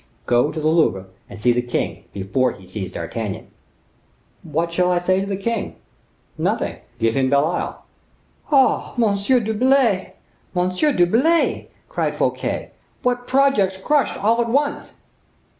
Go to the Louvre, and see the king, before he sees D'Artagnan." "What shall I say to the king?" "Nothing; give him Belle Isle." "Oh! Monsieur d'Herblay! Monsieur d'Herblay," cried Fouquet, "what projects crushed all at once!"